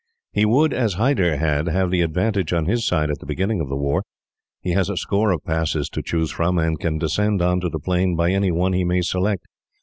"He would, as Hyder had, have the advantage on his side at the beginning of the war. He has a score of passes to choose from, and can descend on to the plain by any one he may select.